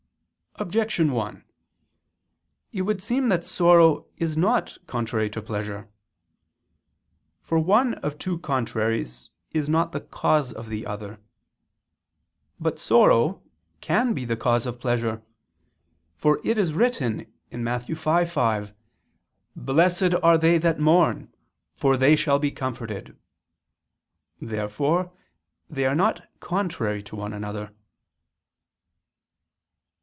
Objection 1: It would seem that sorrow is not contrary to pleasure. For one of two contraries is not the cause of the other. But sorrow can be the cause of pleasure; for it is written (Matt. 5:5): "Blessed are they that mourn, for they shall be comforted." Therefore they are not contrary to one another.